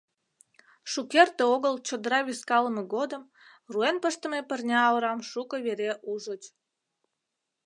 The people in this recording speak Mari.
Шукерте огыл чодыра вискалыме годым руэн пыштыме пырня орам шуко вере ужыч.